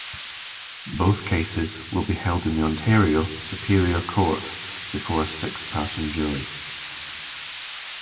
Both cases will be held in the Ontario Superior Court before a six-person jury.